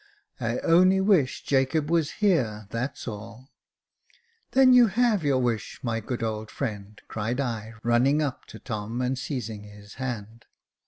" I only wish Jacob was here — that's all." " Then you have your wish, my good old friend," cried I, running up to Tom, and seizing his hand.